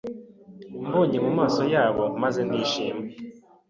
mbonye mu maso yabo maze ndishima